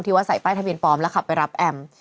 ว่าใส่ป้ายทะเบียนปลอมแล้วขับไปรับแอม